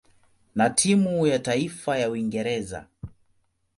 na timu ya taifa ya Uingereza.